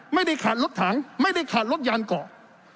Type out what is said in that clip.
ไม่ได้ขาดรถถังไม่ได้ขาดรถยานเกาะ